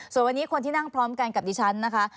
ส่วนวันนี้คนที่นั่งพร้อมกันกับดิฉันนะคะ